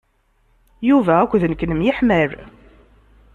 Yuba akked nekk nemyeḥmal.